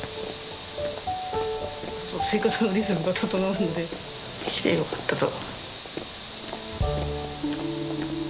生活のリズムが整うので来てよかったと。